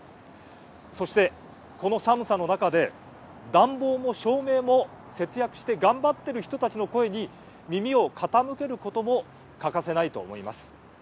そして、この寒さの中で暖房も照明も節約して頑張っている人たちの声に耳を傾けることも欠かせないと思います。